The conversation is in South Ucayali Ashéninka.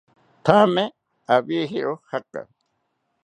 Thame iwijiro jaaka